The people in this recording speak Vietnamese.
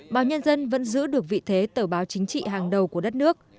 báo nhân dân vẫn giữ được vị thế tờ báo chính trị hàng đầu của đất nước